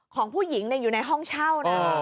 ของผู้หญิงอยู่ในห้องเช่านะ